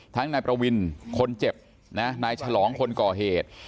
นายประวินคนเจ็บนะนายฉลองคนก่อเหตุ